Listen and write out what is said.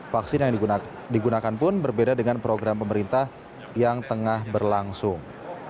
vaksin yang digunakan pun berbeda dengan program pemerintah yang tengah berlangsung